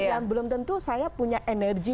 belum tentu saya punya energi